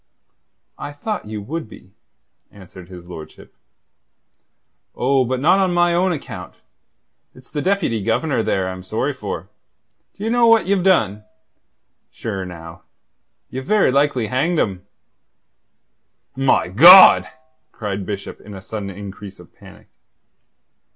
I thought you would be, answered his lordship. "Oh, but not on my own account. It's the Deputy Governor there I'm sorry for. D'ye know what Ye've done? Sure, now, ye've very likely hanged him." "My God!" cried Bishop in a sudden increase of panic.